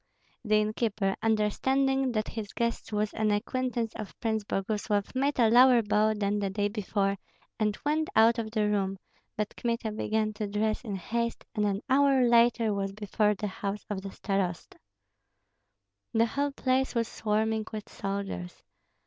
The innkeeper, understanding that his guest was an acquaintance of Prince Boguslav, made a lower bow than the day before, and went out of the room; but Kmita began to dress in haste, and an hour later was before the house of the starosta. The whole place was swarming with soldiers.